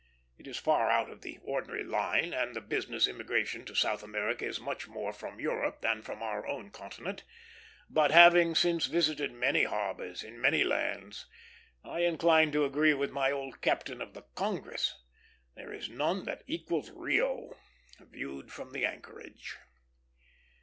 It is far out of the ordinary line, and the business immigration to South America is much more from Europe than from our own continent; but, having since visited many harbors, in many lands, I incline to agree with my old captain of the Congress, there is none that equals Rio, viewed from the anchorage.